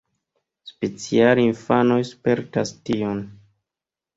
Speciale infanoj spertas tion.